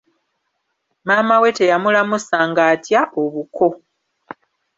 Maama we teyamulamusa ng'atya obuko!